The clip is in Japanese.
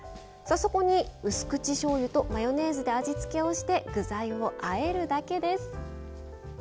さあそこにうす口しょうゆとマヨネーズで味付けをして具材をあえるだけです。